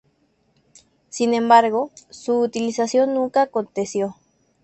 Sin embargo, su utilización nunca aconteció.